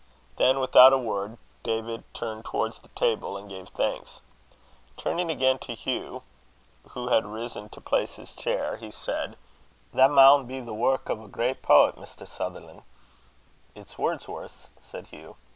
Then, without a word, David turned towards the table and gave thanks. Turning again to Hugh, who had risen to place his chair, he said, "That maun be the wark o' a great poet, Mr. Sutherlan'." "It's Wordsworth's," said Hugh.